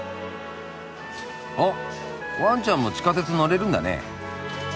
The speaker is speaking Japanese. あっワンちゃんも地下鉄乗れるんだねえ。